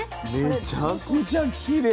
めちゃくちゃきれい。